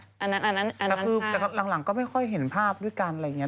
แล้วคือจากรังหลังก็ไม่ค่อยเห็นภาพด้วยกันล่ะอย่างนี้